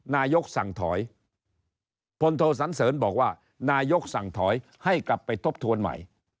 นายกสั่งถอยพลโทสันเสริญบอกว่านายกสั่งถอยให้กลับไปทบทวนใหม่